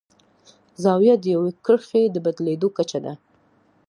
زاویه د یوې کرښې د بدلیدو کچه ده.